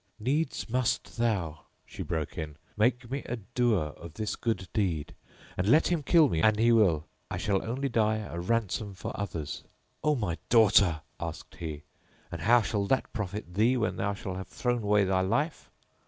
"Needs must thou," she broke in, "make me a doer of this good deed, and let him kill me an he will: I shall only die a ransom for others." "O my daughter," asked he, "and how shall that profit thee when thou shalt have thrown away thy life?"